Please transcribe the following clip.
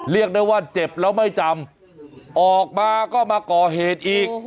เรียกได้ว่าเจ็บแล้วไม่จำออกมาก็มาก่อเหตุอีก